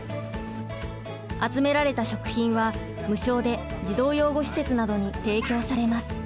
集められた食品は無償で児童養護施設などに提供されます。